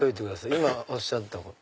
今おっしゃったこと。